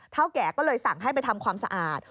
แก่ก็เลยสั่งให้ไปทำความสะอาด